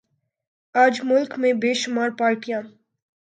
آج ملک میں بے شمار پارٹیاں